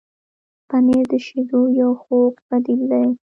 پنېر د شیدو یو خوږ بدیل دی.